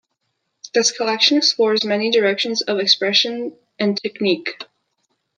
This collection explores many directions of expression and technique.